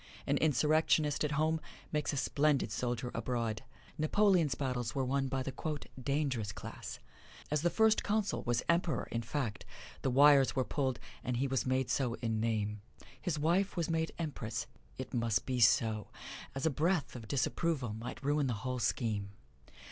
An insurrectionist at home makes a splendid soldier abroad. Napoleon's battles were won by the "dangerous class." As the First Consul was Emperor in fact, the wires were pulled, and he was made so in name. His wife was made Empress: it must be so, as a breath of disapproval might ruin the whole scheme.